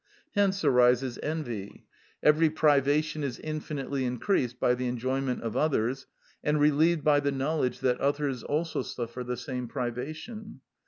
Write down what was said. Hence arises envy: every privation is infinitely increased by the enjoyment of others, and relieved by the knowledge that others also suffer the same privation.